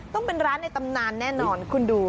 ต้องเป็นร้านในตำนานแน่นอนคุณดู